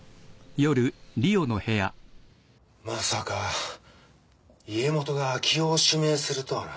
まさか家元が明生を指名するとはな。